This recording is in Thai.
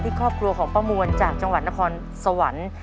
ครอบครัวของป้ามวลจากจังหวัดนครสวรรค์